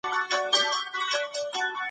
که ته له پور اخیستلو ځان وساتې نو ازاد به اوسې.